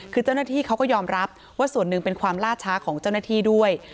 คือเจ้าหน้าที่เขาก็ยอมรับว่าส่วนหนึ่งเป็นความล่าช้าของเจ้าหน้าที่ด้วย